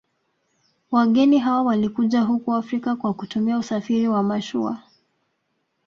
Wageni hawa walikuja huku Afrika kwa kutumia usafiri wa mashua